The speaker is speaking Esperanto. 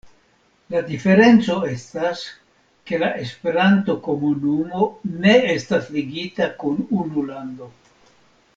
La diferenco estas, ke la Esperanto-komunumo ne estas ligita kun unu lando.